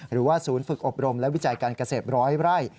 หรือว่าศูนย์ฝึกอบรมและวิจัยการเกษตรร้อยไร่